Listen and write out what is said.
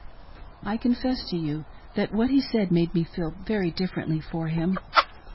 I confess to you that what he said made me feel very differently for him.